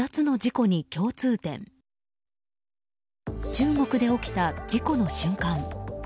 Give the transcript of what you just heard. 中国で起きた事故の瞬間。